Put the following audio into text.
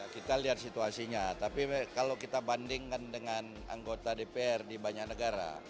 kita lihat situasinya tapi kalau kita bandingkan dengan anggota dpr di banyak negara